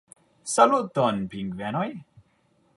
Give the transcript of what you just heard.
Saluton, pingvenoj!!